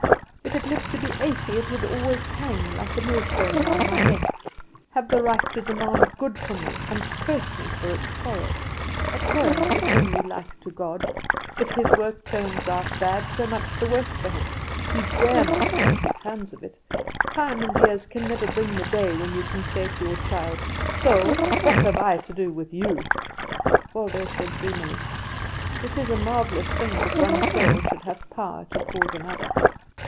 If it lived to be eighty it would always hang like a millstone round my neck, have the right to demand good from me, and curse me for its sorrow. A parent is only like to God if his work turns out bad, so much the worse for him; he dare not wash his hands of it. Time and years can never bring the day when you can say to your child: 'Soul, what have I to do with you?'" Waldo said dreamingly: "It is a marvellous thing that one soul should have power to cause another."